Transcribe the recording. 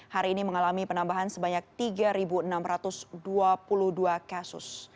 hari ini mengalami penambahan sebanyak tiga enam ratus dua puluh dua kasus